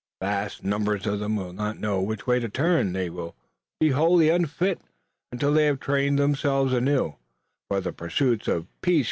Vast numbers of them will not know which way to turn. They will be wholly unfit, until they have trained themselves anew, for the pursuits of peace.